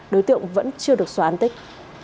đối tượng vẫn chưa được xóa an tích